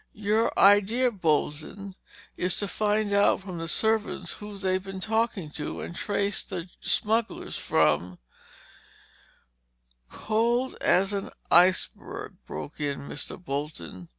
"Your idea, Bolton, is to find out from the servants who they've been talking to and trace the smugglers from—" "Cold as an iceberg," broke in Mr. Bolton.